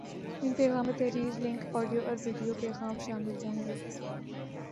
ان پیغام میں تحریر ، لنک ، آڈیو اور ویڈیو پیغام شامل ہو ہیں